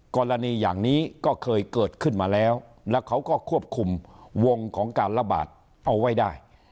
กรณีอย่างนี้ก็เคยเกิดขึ้นมาแล้วแล้วเขาก็ควบคุมวงของการระบาดเอาไว้ได้